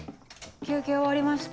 休憩終わりました。